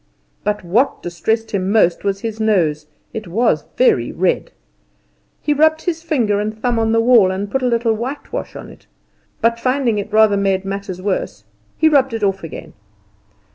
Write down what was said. But what distressed him most was his nose it was very red. He rubbed his finger and thumb on the wall, and put a little whitewash on it; but, finding it rather made matters worse, he rubbed it off again.